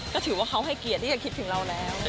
ก็ถือว่าเขาให้เกียรติที่จะคิดถึงเราแล้ว